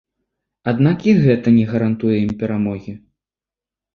Аднак і гэта не гарантуе ім перамогі.